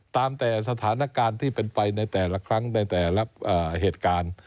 ตามแต่สถานการณ์ที่เป็นไปในแต่ละครั้งในแต่ละเหตุการณ์